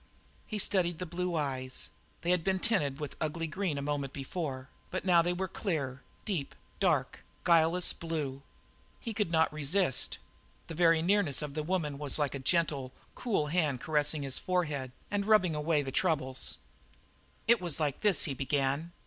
He studied the blue eyes. They had been tinted with ugly green a moment before, but now they were clear, deep, dark, guileless blue. He could not resist. The very nearness of the woman was like a gentle, cool hand caressing his forehead and rubbing away the troubles. "It was like this," he began.